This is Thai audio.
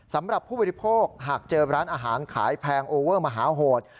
สำหรับผู้บริโภคหากเจอร้านอาหารขายแพงโอเวอร์มหาโหด